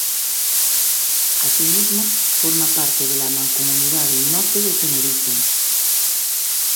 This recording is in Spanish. Asimismo, forma parte de la Mancomunidad del Norte de Tenerife.